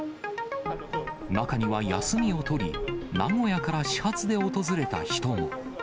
中には休みを取り、名古屋から始発で訪れた人も。